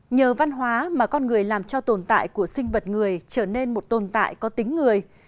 nhờ văn hóa mà con người làm cho tồn tại của sinh vật người trở nên một tồn tại có tính người